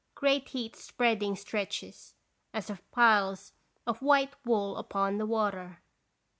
Great heat spreading stretches, as of piles of white wool upon the water.